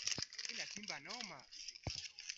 i kadhalika wawakilishi kutoka nchi mbalimbali